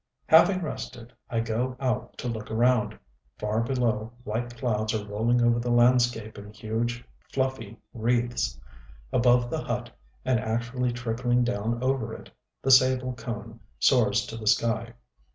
Having rested, I go out to look around. Far below white clouds are rolling over the landscape in huge fluffy wreaths. Above the hut, and actually trickling down over it, the sable cone soars to the sky.